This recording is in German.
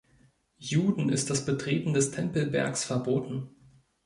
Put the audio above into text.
Juden ist das Betreten des Tempelbergs verboten.